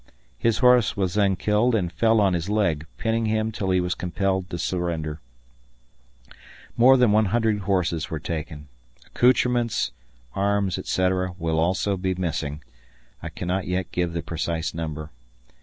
His horse was then killed and fell on his leg, pinning him till he was compelled to surrender. More than 100 horses were taken. Accoutrements, arms, etc., will also be missing. I cannot yet give the precise number.